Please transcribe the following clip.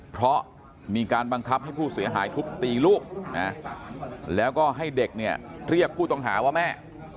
เพราะมีการบังคับให้ผู้เสียหายทุบตีลูกนะแล้วก็ให้เด็กเนี่ยเรียกผู้ต้องหาว่าแม่